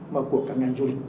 mà của cả ngành du lịch